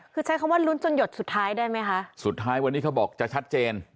คือใช้คำว่าลุ้นจนหยดสุดท้ายได้ไหมคะสุดท้ายวันนี้เขาบอกจะชัดเจน